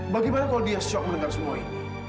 bagaimana kalau dia shock mendengar semua ini